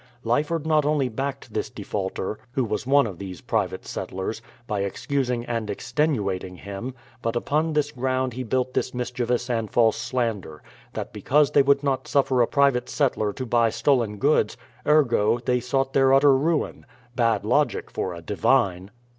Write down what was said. Lyford not only backed this defaulter — who was one of these private settlers — by excusing and extenuating him ; but upon this ground he built this mischievous and false slander; that because they would not suffer a private settler to buy stolen goods, ergo, they sought their utter ruin : Bad logic for a divine!